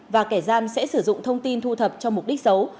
và kẻ gian sẽ sử dụng thông tin thu thập cho mục đích xấu